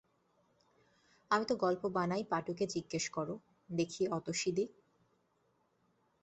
আমি তো গল্প বানাই-পাটুকে জিজ্ঞেস কোরো দেখি অতসীদি?